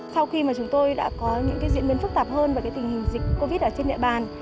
sau khi mà chúng tôi đã có những diễn biến phức tạp hơn về tình hình dịch covid ở trên địa bàn